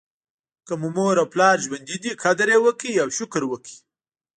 که مو مور او پلار ژوندي دي قدر یې وکړئ او شکر وکړئ.